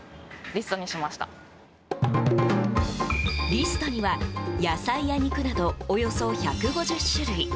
リストには野菜や肉などおよそ１５０種類。